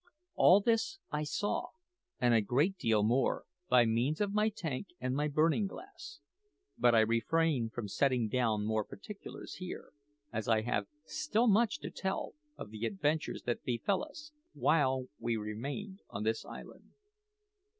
All this I saw, and a great deal more, by means of my tank and my burning glass; but I refrain from setting down more particulars here, as I have still much to tell of the adventures that befell us while we remained on this island.